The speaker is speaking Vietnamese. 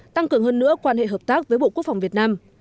tăng cường hơn nữa quan hệ hợp tác với bộ quốc phòng việt nam